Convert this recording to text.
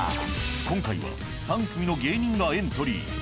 今回は３組の芸人がエントリー。